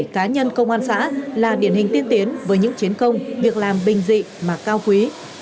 cá nhân công an xã là điển hình tiên tiến với những chiến công việc làm bình dị mà cao quý